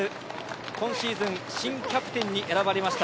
今シーズン新キャプテンに選ばれました。